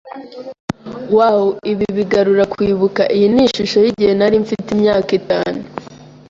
Wow, ibi bigarura kwibuka. Iyi ni ishusho yigihe nari mfite imyaka itanu